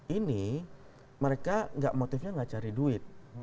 ini mereka motifnya nggak cari duit